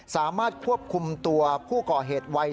สามารถควบคุมตัวผู้ก่อเหตุวัย